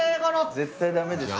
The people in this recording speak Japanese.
絶対ダメでしょ。